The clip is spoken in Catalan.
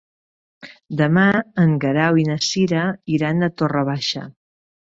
Demà en Guerau i na Cira iran a Torre Baixa.